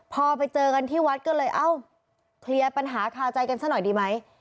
พอไปเจอกันที่วัดก็เลยเอ้าเคลียร์ปัญหาคาใจกันซะหน่อยดีไหม